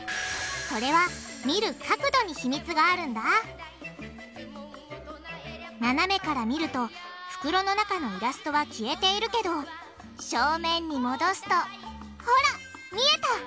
それは見る角度に秘密があるんだななめから見ると袋の中のイラストは消えているけど正面に戻すとほら見えた！